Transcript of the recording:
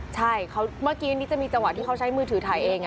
ใช่เมื่อกี้อันนี้จะมีจังหวะที่เขาใช้มือถือถ่ายเอง